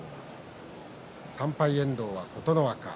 ３敗の遠藤は琴ノ若。